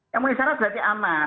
yang menisyarat berarti aman